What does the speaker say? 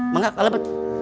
maka kalape tuh